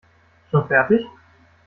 Schon fertig?